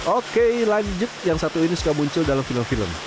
oke lanjut yang satu ini suka muncul dalam film film